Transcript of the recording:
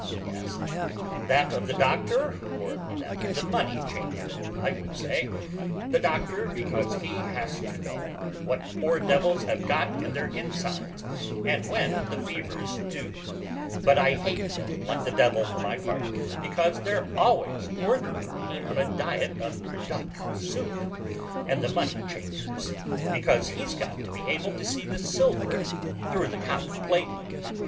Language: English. he asked. "That of the doctor or that of the money changer, I would say: the doctor, because he has to know what poor devils have got in their insides, and when the fever's due: but I hate them like the devil, for my part, because they're always ordering me on a diet of duck soup: and the money changer's, because he's got to be able to see the silver through the copper plating.